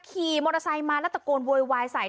ขี่มอเตอร์ไซค์มาแล้วตะโกนโวยวายใส่